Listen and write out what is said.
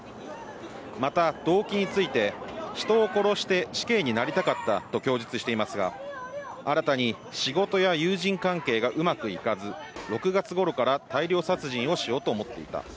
また動機について人を殺して死刑になりたかったと供述していますが、新たに仕事や友人関係がうまくいかず６月頃から大量殺人をしようと思っていた。